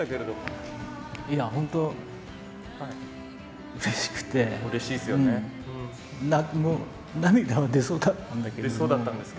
本当、うれしくて涙が出そうだったんだけど。